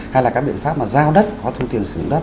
hay là các biện pháp mà giao đất có thu tiền sử dụng đất